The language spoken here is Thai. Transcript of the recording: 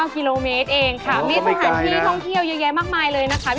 ๒๓๙กิโลเมตรเองค่ะนี่จะหาที่ท่องเที่ยวเยอะมากมายเลยนะคะ